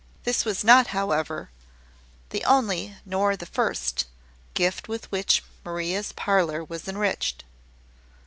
This was not, however, the only, nor the first, gift with which Maria's parlour was enriched.